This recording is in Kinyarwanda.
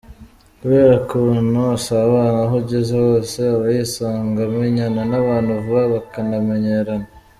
Kubera ukuntu asabana aho ageze hose aba yisanga , amenyana n’abantu vuba bakanamenyerana.